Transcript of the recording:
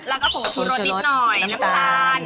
แล้วก็ของชูรเน็ตนิดหน่อย